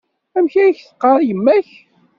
Amek ay ak-teɣɣar yemma-k?